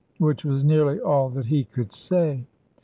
which was nearly all that he could say.